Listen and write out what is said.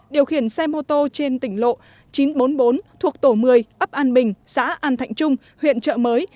điều khiển xe mô tô trên tỉnh lộ chín trăm bốn mươi bốn thuộc tổ một mươi ấp an bình xã an thạnh trung huyện trợ mới